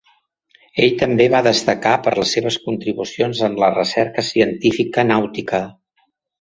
Ell també va destacar per les seves contribucions en la recerca científica nàutica.